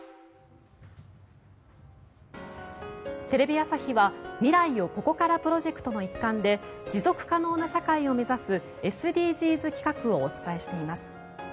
テレビ朝日は未来をここからプロジェクトの一環で持続可能な社会を目指すＳＤＧｓ企画をお伝えしています。